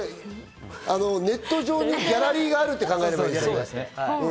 ネット上にギャラリーがあるって考えられるんですね。